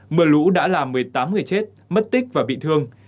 mưa lũ đã làm một mươi tám người chết mất tích và bị thương